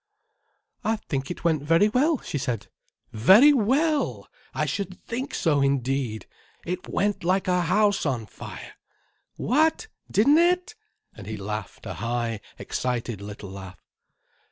"I think it went very well," she said. "Very well! I should think so, indeed. It went like a house on fire. What? Didn't it?" And he laughed a high, excited little laugh.